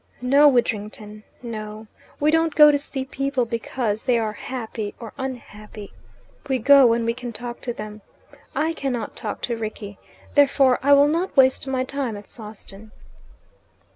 "No, Widdrington; no. We don't go to see people because they are happy or unhappy. We go when we can talk to them. I cannot talk to Rickie, therefore I will not waste my time at Sawston."